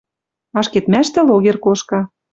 Ашкедмӓштӹ логер кошка